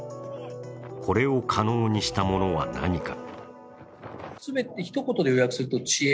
これを可能にしたものは何か。